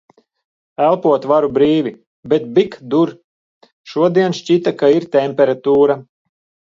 Elpot varu brīvi, bet bik dur. Šodien šķita, ka ir temperatūra.